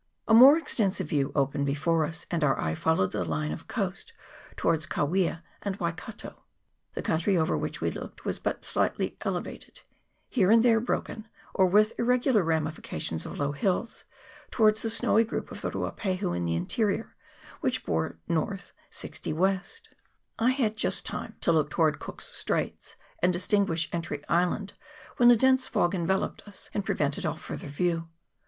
A most extensive view opened before us, and our eye followed the line of coast towards Kawia and Wai kato. The country over which we looked was but slightly elevated ; here and there broken, or with irregular ramifications of low hills, towards the snowy group of the Ruapahu in the interior, which bore N. 60 W. I had just time to look towards Cook's Straits and distinguish Entry Island, when a dense fog enveloped us, and prevented all further view.